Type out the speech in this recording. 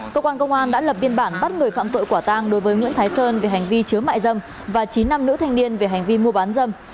cơ quan công an đã lập biên bản bắt người phạm tội quả tang đối với nguyễn thái sơn về hành vi chứa mại dâm và chín nam nữ thanh niên về hành vi mua bán dâm